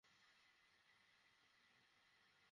তিনি অত্যন্ত ক্ষমাশীল, পরম দয়ালু।